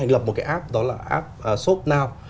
được một cái app đó là app shopnow